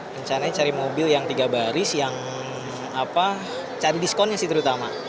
rencananya cari mobil yang tiga baris yang cari diskonnya sih terutama